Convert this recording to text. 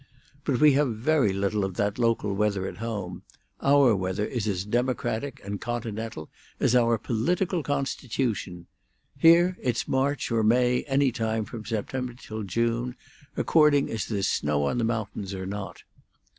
But we have very little of that local weather at home; our weather is as democratic and continental as our political constitution. Here it's March or May any time from September till June, according as there's snow on the mountains or not."